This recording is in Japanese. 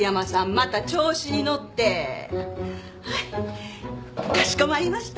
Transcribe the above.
また調子に乗ってはいかしこまりました。